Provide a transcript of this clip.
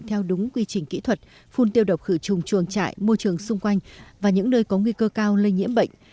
theo đúng quy trình kỹ thuật phun tiêu độc khử trùng chuồng trại môi trường xung quanh và những nơi có nguy cơ cao lây nhiễm bệnh